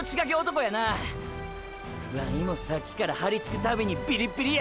ワイもさっきからはりつくたびにビリッビリや！！